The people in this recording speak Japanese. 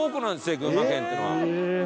群馬県っていうのは。